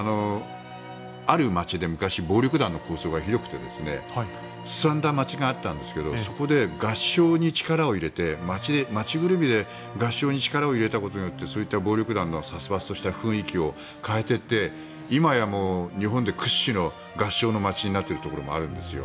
ある街で昔暴力団の抗争がひどくてすさんだ街があったんですがそこで合唱に力を入れて街ぐるみで合唱に力を入れたことによってそういった暴力団の殺伐とした雰囲気を変えていって今や日本で屈指の合唱の街になっているところもあるんです。